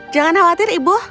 jangan khawatir ibu